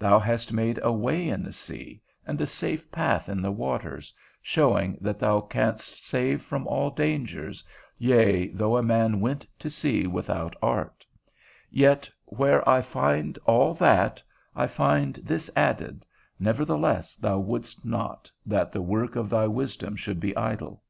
_Thou hast made a way in the sea, and a safe path in the waters, showing that thou canst save from all dangers, yea, though a man went to sea without art_: yet, where I find all that, I find this added; nevertheless thou wouldst not, that the work of thy wisdom should be idle.